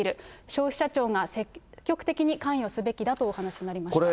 消費者庁が積極的に関与すべきだとお話になりました。